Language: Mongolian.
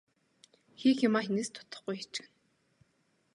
Хийх юмаа хэнээс ч дутахгүй хийчихнэ.